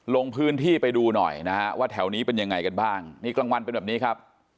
ลงพื้นที่ไปดูหน่อยนะฮะว่าแถวนี้เป็นยังไงกันบ้างนี่กลางวันเป็นแบบนี้ครับ